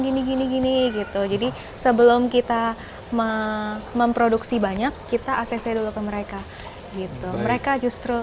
gini gini gitu jadi sebelum kita memproduksi banyak kita acc dulu ke mereka gitu mereka justru